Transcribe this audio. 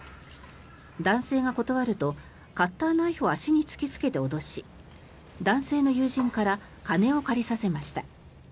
男性が断るとカッターナイフを足に突きつけて脅し男性の友人から金を借りさせました。